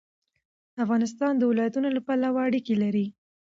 افغانستان د ولایتونو له پلوه اړیکې لري.